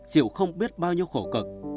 chịu không biết bao nhiêu khổ cực